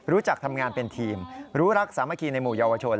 รู้จักทำงานเป็นทีมรู้รักสามัคคีในหมู่เยาวชน